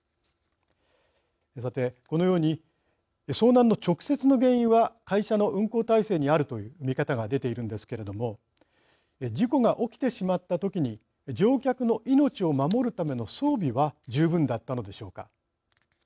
さて、このように遭難の直接の原因は会社の運航体制にあるという見方が出ているんですけれども事故が起きてしまったときに乗客の命を守るための装備は十分だったのでしょうか。